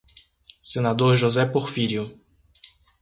Senador José Porfírio